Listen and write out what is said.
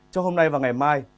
cho hôm nay và ngày mai